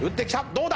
どうだ